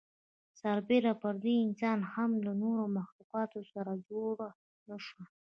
سر بېره پر دې انسان هم له نورو مخلوقاتو سره جوړ نهشو.